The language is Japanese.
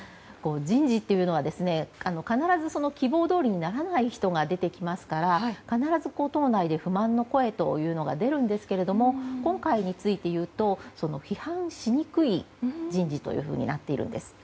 人事というのは必ず希望どおりにならない人が出てきますから必ず党内で不満の声というのが出るんですが今回についていうと批判をしにくい人事というふうになっているんです。